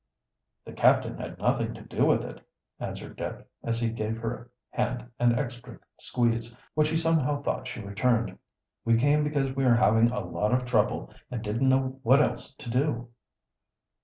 "The captain had nothing to do with it," answered Dick, as he gave her hand an extra squeeze, which he somehow thought she returned. "We came because we were having a lot of trouble, and didn't know what else to do."